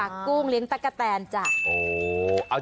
กุ้งเลี้ยงตะกะแตนจ้ะ